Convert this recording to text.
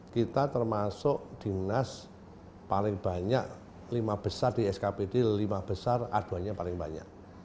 kita termasuk dinas paling banyak lima besar di skpd lima besar aduannya paling banyak